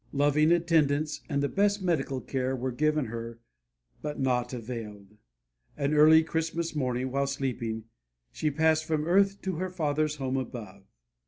Loving attendance and the best medical care were given her but nought availed, and early Christmas morning, while sleeping, she passed from earth to her Father's home above.